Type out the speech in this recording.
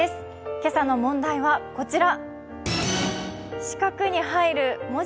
今朝の問題はこちら。